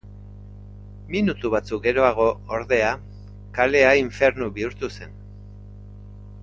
Minutu batzuk geroago ordea, kalea infernu bihurtu zen.